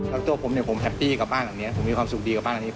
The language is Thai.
แล้วตัวผมเนี่ยผมแฮปปี้กับบ้านหลังนี้ผมมีความสุขดีกับบ้านอันนี้